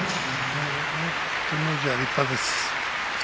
照ノ富士は立派です。